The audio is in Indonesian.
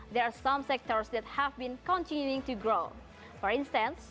termasuk perubahan ekonomi jakarta